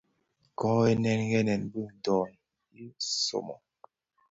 Ko ghènèn ghènèn bi döön zi somo.